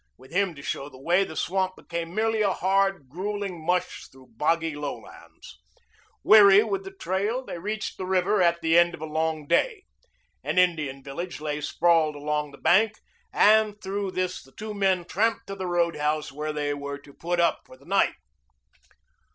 With him to show the way the swamp became merely a hard, grueling mush through boggy lowlands. Weary with the trail, they reached the river at the end of a long day. An Indian village lay sprawled along the bank, and through this the two men tramped to the roadhouse where they were to put up for the night.